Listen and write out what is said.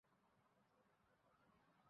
সকলকে আমার প্রণাম আশীর্বাদ ইত্যাদি।